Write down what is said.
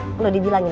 itu udah dibilangin